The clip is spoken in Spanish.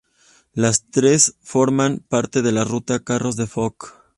Los tres forman parte de la ruta Carros de Foc.